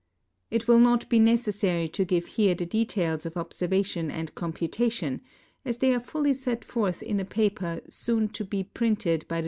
It will not be necessary to give here the details of observiition and computation, as they are fully set forth in a paper soon to 5 ondusky FIG.